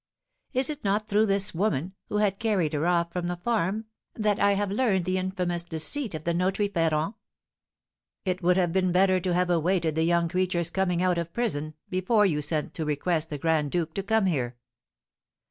Is it not through this woman, who had carried her off from the farm, that I have learned the infamous deceit of the notary, Ferrand?" "It would have been better to have awaited the young creature's coming out of prison, before you sent to request the Grand Duke to come here."